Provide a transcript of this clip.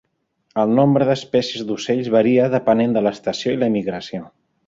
El nombre d"espècies d"ocells varia depenent de l"estació i la migració.